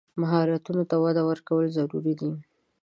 مهارتونو ته وده ورکول ضروري دي.